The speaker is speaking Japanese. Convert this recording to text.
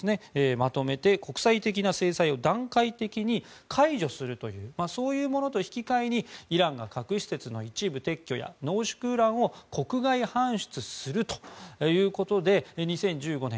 まとめて国際的な制裁を段階的に解除するというそういうものと引き換えにイランが核施設の一部撤去や濃縮ウランを国外搬出するということで２０１５年